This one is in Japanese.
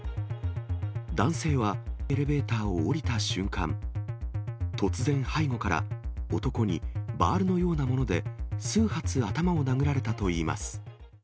男性はエレベーターを降りた瞬間、突然、背後から男にバールのようなもので数発頭を殴られたといいます。